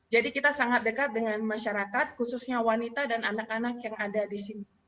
jadi kita sangat dekat dengan masyarakat khususnya wanita dan anak anak yang ada di sini